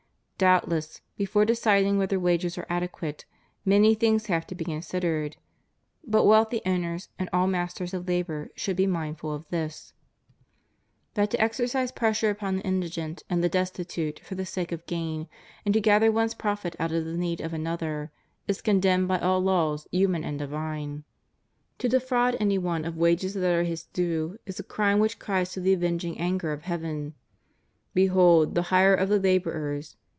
Doubtless, before deciding whether wages are adequate, many things have to be considered ; but wealthy owners and all masters of labor should be mindful of this — that to exercise pressure 220 CONDITION OF THE WORKING CLASSES. upon the indigent and the destitute for the sake of gain, and to gather one's profit out of the need of another, is con demned by all laws, human and divine. To defraud any one of wages that are his due is a crime which cries to the avenging anger of Heaven. Behold, the hire of the laborers